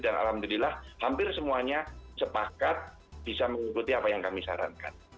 dan alhamdulillah hampir semuanya sepakat bisa mengikuti apa yang kami sarankan